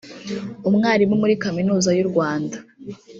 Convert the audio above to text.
umwarimu muri kaminuza y’u Rwanda